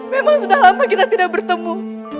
memang sudah lama kita tidak bertemu